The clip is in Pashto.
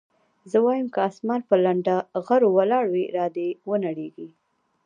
زه وايم که اسمان پر لنډه غرو ولاړ وي را دې ونړېږي.